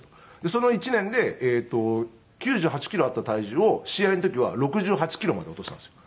その１年で９８キロあった体重を試合の時は６８キロまで落としたんですよ。